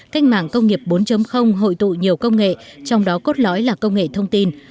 cách mạng công nghiệp bốn hội tụ nhiều công nghệ trong đó cốt lõi là công nghệ thông tin